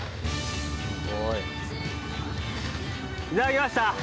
いただきました！